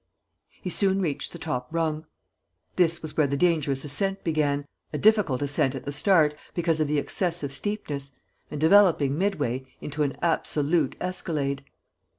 He soon reached the top rung. This was where the dangerous ascent began, a difficult ascent at the start, because of the excessive steepness, and developing, mid way, into an absolute escalade.